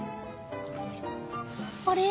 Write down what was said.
あれ？